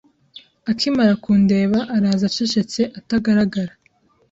Akimara kundeba araza Acecetse atagaragara